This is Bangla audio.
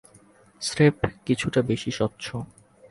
স্রেফ কিছুটা বেশি স্বচ্ছ।